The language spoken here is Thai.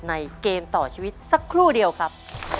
เกมต่อชีวิตสักครู่เดียวครับ